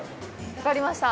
分かりました。